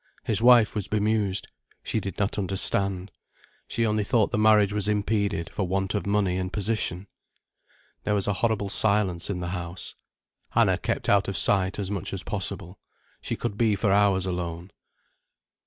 His wife was bemused. She did not understand. She only thought the marriage was impeded for want of money and position. There was a horrible silence in the house. Anna kept out of sight as much as possible. She could be for hours alone.